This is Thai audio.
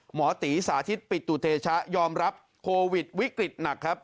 หมอตีสาธิตปิตุเตชะยอมรับโควิดวิกฤตหนักครับ